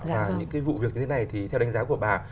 và những cái vụ việc như thế này thì theo đánh giá của bà